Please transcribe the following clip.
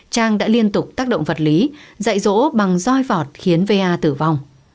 trang đã liên tục tác động vật lý dạy rỗ bằng roi vọt khiến va tử vong